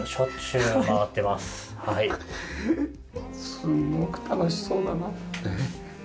すごく楽しそうだな。